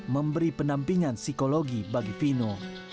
memberi penampingan psikologi bagi fino